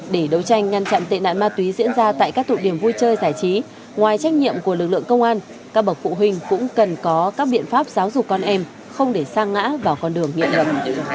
để đấu tranh ngăn chặn tệ nạn ma túy diễn ra tại các tụ điểm vui chơi giải trí ngoài trách nhiệm của lực lượng công an các bậc phụ huynh cũng cần có các biện pháp giáo dục con em không để xa ngã vào con đường hiện lực